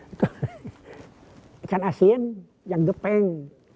ikan asin yang gepeng